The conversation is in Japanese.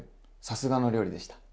さすがの料理でした。